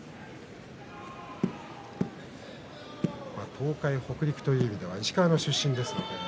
東海、北陸という意味で石川出身です。